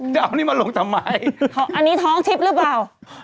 แต่วันนี้มันลงจำไมอันนี้ท้องทิศหรือเปล่า